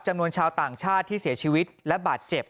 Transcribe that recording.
จำนวนชาวต่างชาติที่เสียชีวิตและบาดเจ็บ